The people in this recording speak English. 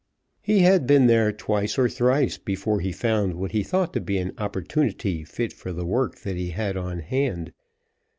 He had been there twice or thrice before he found what he thought to be an opportunity fit for the work that he had on hand.